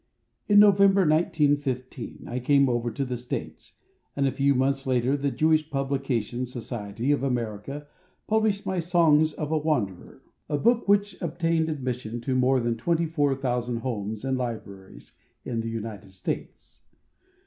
In November, 1915, I came over to the States, and a few months later the Jewish Publication Society of America published my "Songs of a Wanderer"—a FOREWORD book which obtained admission to more than twenty four thousand homes and libraries in the United States.